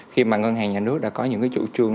khi mà ngân hàng nhà nước đã có những cái chủ trương